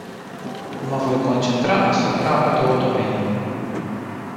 Mă voi concentra asupra a două domenii.